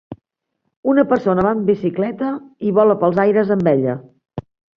Una persona va en bicicleta i vola pels aires amb ella.